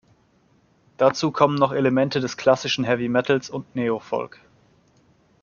Dazu kommen noch Elemente des klassischen Heavy Metals und Neofolk.